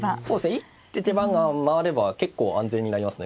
一手手番が回れば結構安全になりますね